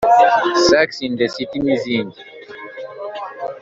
Sax in the City n’izindi